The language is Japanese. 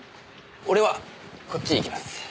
俺はこっちへ行きます。